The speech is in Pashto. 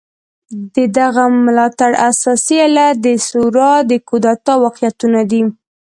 د دغه ملاتړ اساسي علت د ثور د کودتا واقعيتونه دي.